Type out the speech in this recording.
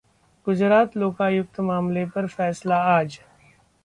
गुजरात लोकायुक्त मामले पर फैसला आज